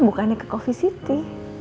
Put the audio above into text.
bukannya ke coffee city